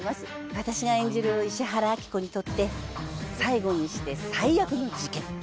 私が演じる石原明子にとって最後にして最悪の事件。